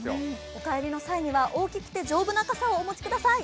お帰りの際には大きくて丈夫な傘をお持ちください。